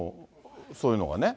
そういうのがね。